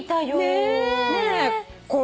ねえ。